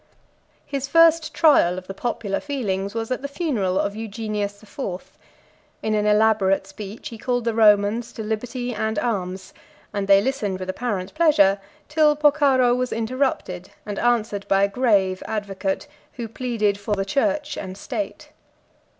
His first trial of the popular feelings was at the funeral of Eugenius the Fourth: in an elaborate speech he called the Romans to liberty and arms; and they listened with apparent pleasure, till Porcaro was interrupted and answered by a grave advocate, who pleaded for the church and state.